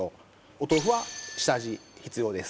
お豆腐は下味必要です